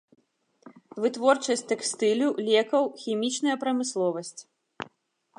Вытворчасць тэкстылю, лекаў, хімічная прамысловасць.